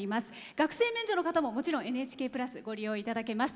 学生免除の方ももちろん「ＮＨＫプラス」ご利用いただけます。